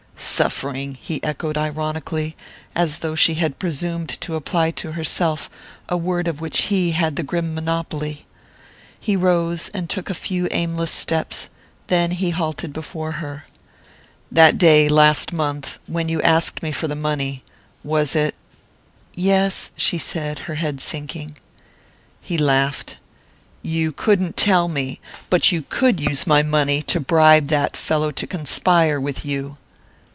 "Suffering!" he echoed ironically, as though she had presumed to apply to herself a word of which he had the grim monopoly. He rose and took a few aimless steps; then he halted before her. "That day last month when you asked me for money...was it...?" "Yes " she said, her head sinking. He laughed. "You couldn't tell me but you could use my money to bribe that fellow to conspire with you!"